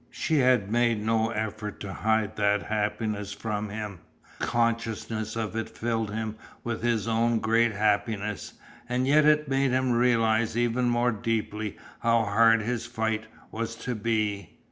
She had made no effort to hide that happiness from him. Consciousness of it filled him with his own great happiness, and yet it made him realize even more deeply how hard his fight was to be.